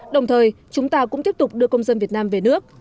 đồng thời chúng ta cũng tiếp tục đưa công dân việt nam về nước